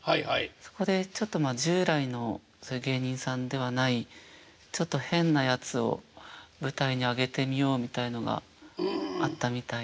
そこでちょっと従来の芸人さんではないちょっと変なやつを舞台にあげてみようみたいのがあったみたいで。